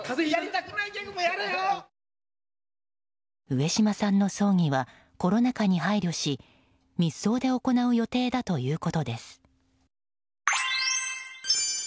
上島さんの葬儀はコロナ禍に配慮し密葬で行う予定だということです。